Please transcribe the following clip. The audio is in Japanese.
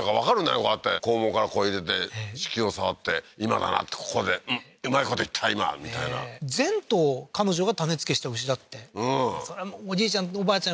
こうやって肛門からこう入れて子宮を触って今だなってここでうまいこといった今みたいな全頭彼女が種付けした牛だってうんそれはおじいちゃんとおばあちゃん